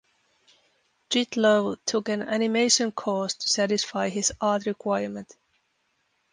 Jittlov took an animation course to satisfy his art requirement.